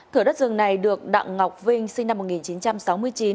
thửa đất rừng này được đặng ngọc vinh sinh năm một nghìn chín trăm sáu mươi chín